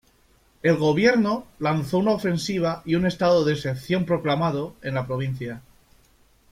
El gobierno lanzó una ofensiva y un estado de excepción proclamado en la provincia.